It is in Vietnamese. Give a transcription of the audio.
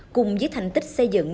cùng với thành tích xây dựng